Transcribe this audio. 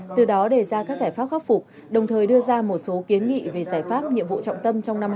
từ đó đề ra các giải pháp khắc phục đồng thời đưa ra một số kiến nghị về giải pháp nhiệm vụ trọng tâm trong năm hai nghìn hai mươi